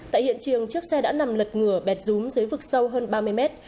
tại hiện trường chiếc xe đã nằm lật ngửa bẹt rúm dưới vực sâu hơn ba mươi mét